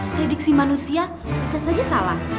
prediksi manusia bisa saja salah